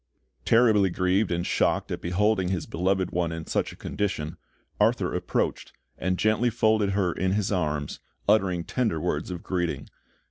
Terribly grieved and shocked at beholding his beloved one in such a condition, Arthur approached, and gently folded her in his arms, uttering tender words of greeting.